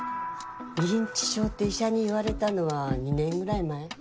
認知症って医者に言われたのは２年ぐらい前。